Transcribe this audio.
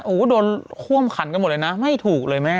โอ้โหโดนท่วมขันกันหมดเลยนะไม่ถูกเลยแม่